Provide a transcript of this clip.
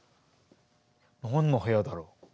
何の部屋だろう？